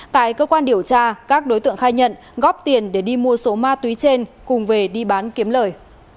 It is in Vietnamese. tại cơ quan điều tra các đối tượng khai nhận góp tiền để đi mua số ma túy trên cùng về đi bán kiếm lời